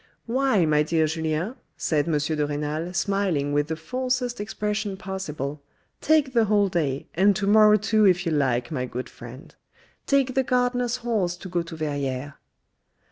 " Why, my dear Julien," said M. de Renal smiling with the falsest expression possible, " take the whole day, and to morrow too if you like, my good friend. Take the gardener's horse to go to Verrieres."